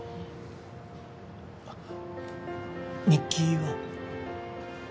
あっ日記は？